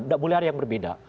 tidak boleh ada yang berbeda